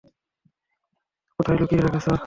কোথায় লুকিয়ে রেখেছ?